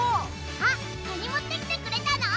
あっカニ持ってきてくれたの？